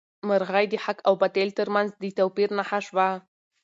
مرغۍ د حق او باطل تر منځ د توپیر نښه شوه.